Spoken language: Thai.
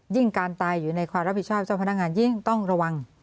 การตายอยู่ในความรับผิดชอบเจ้าพนักงานยิ่งต้องระวัง